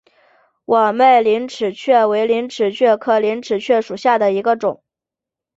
网脉陵齿蕨为陵齿蕨科陵齿蕨属下的一个种。